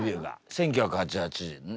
１９８８年ねっ。